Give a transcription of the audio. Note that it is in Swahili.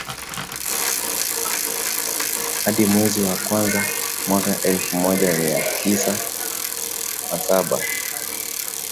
hadi mwezi wa kwanza mwaka elfu moja mia tisa na saba